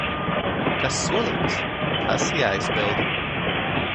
Kas solīts, tas jāizpilda.